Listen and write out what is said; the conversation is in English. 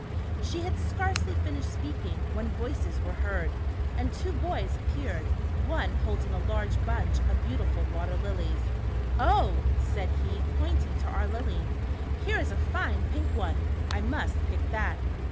She had scarcely finished speaking, when voices were heard, and two boys appeared, one holding a large bunch of beautiful water lilies. " Oh," said he, pointing to our lily, " here is a fine pink one. I must pick that."